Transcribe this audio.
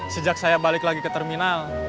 sejak saya balik lagi ke terminal